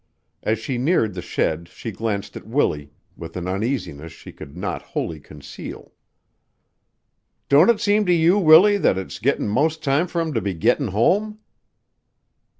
As she neared the shed she glanced at Willie with an uneasiness she could not wholly conceal. "Don't it seem to you, Willie, that it's gettin' most time for 'em to be gettin' home?"